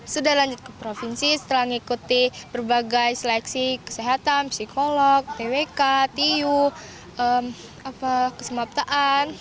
sudah lanjut ke provinsi setelah mengikuti berbagai seleksi kesehatan psikolog twk tiu kesemaptaan